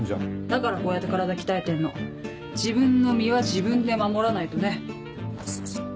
だからこうやって体鍛えてんの自分の身は自分で守らないとね。